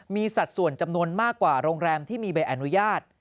มีสัดส่วนจำนวนมากกว่าโรงแรมที่มีใบอนุญาต